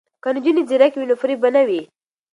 که نجونې ځیرکې وي نو فریب به نه وي.